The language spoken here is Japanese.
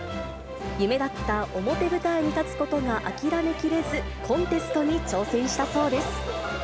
夢だった表舞台に立つことが諦めきれず、コンテストに挑戦したそうです。